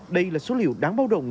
đây là số liệu đáng báo động